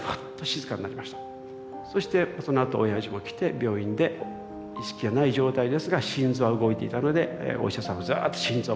そしてそのあとおやじも来て病院で意識はない状態ですが心臓は動いていたのでお医者さんはずっと心臓マッサージ。